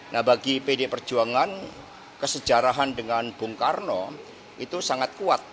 nah bagi pd perjuangan kesejarahan dengan bung karno itu sangat kuat